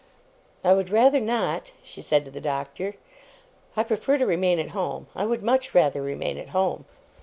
'I would rather not,' she said to the Doctor. 'I prefer to remain at home. I would much rather remain at home.